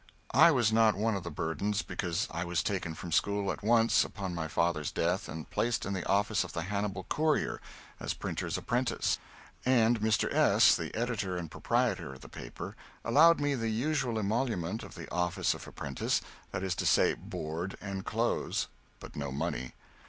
I was not one of the burdens, because I was taken from school at once, upon my father's death, and placed in the office of the Hannibal "Courier," as printer's apprentice, and Mr. S., the editor and proprietor of the paper, allowed me the usual emolument of the office of apprentice that is to say board and clothes, but no money.